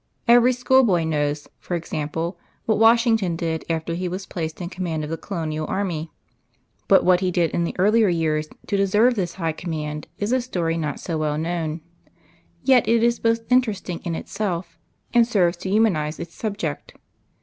Every schoolboy knows, for example, what Washington did after he was placed in command of the Colonial Army but what he did in the earlier years to deserve this high command is a story not so well known. Yet it is both interesting in itself, and serves to humanize its subject.